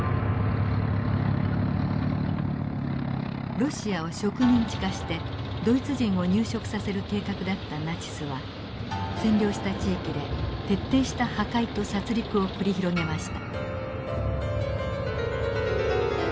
ロシアを植民地化してドイツ人を入植させる計画だったナチスは占領した地域で徹底した破壊と殺戮を繰り広げました。